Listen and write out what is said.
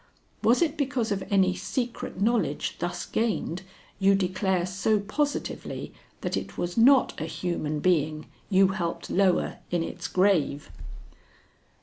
Was it because of any secret knowledge thus gained you declare so positively that it was not a human being you helped lower in its grave?"